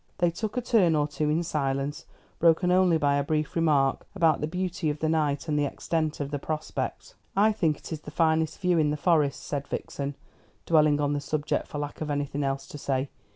They took a turn or two in silence, broken only by a brief remark about the beauty of the night, and the extent of the prospect. "I think it is the finest view in the Forest," said Vixen, dwelling on the subject for lack of anything else to say.